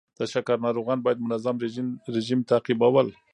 د شکر ناروغان باید منظم رژیم تعقیبول.